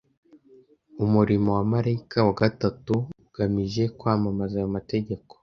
Umurimo wa marayika wa gatatu ugamije kwamamaza ayo mategeko